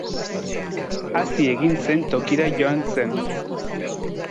Hazi egin zen tokira joan zen.